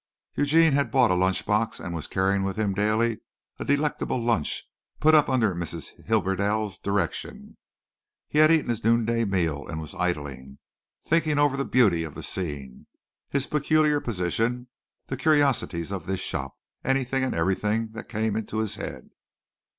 Eugene had bought a lunch box and was carrying with him daily a delectable lunch put up under Mrs. Hibberdell's direction. He had eaten his noonday meal and was idling, thinking over the beauty of the scene, his peculiar position, the curiosities of this shop anything and everything that came into his head.